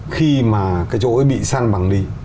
khi mà cái chỗ ấy bị săn bằng đi